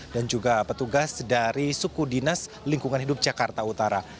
juga petugas dari suku dinas lingkungan hidup jakarta utara